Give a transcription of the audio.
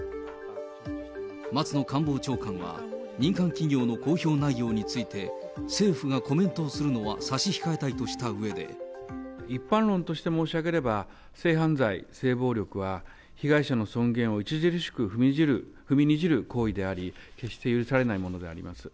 松野官房長官は、民間企業の公表内容について政府がコメントをするのは差し控えた一般論として申し上げれば、性犯罪、性暴力は被害者の尊厳を著しく踏みにじる行為であり、決して許されないものであります。